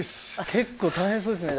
結構大変そうですね